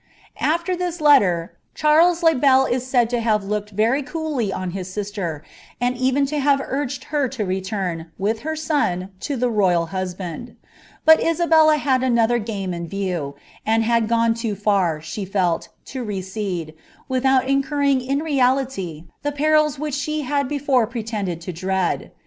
r this letter, Charles le Bel is said to have looked very coolly on Iter, and even to have urged her to return, with her son, to the busband ; but Isabella had another game in view, and had gone too e felt, to recede, without incurring in reali^ the perils which she fore pretended to dread.